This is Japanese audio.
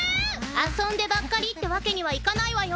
遊んでばっかりってわけにはいかないわよ。